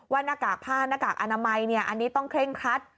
หน้ากากผ้าหน้ากากอนามัยอันนี้ต้องเคร่งครัด